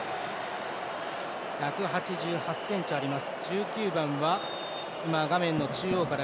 １８８ｃｍあります。